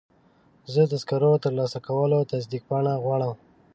زه د سکرو د ترلاسه کولو تصدیق پاڼه غواړم.